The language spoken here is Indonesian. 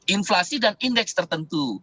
inflasi dan indeks tertentu